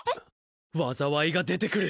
災いが出てくる！